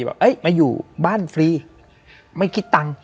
แบบเอ๊ะมาอยู่บ้านฟรีไม่คิดตังค์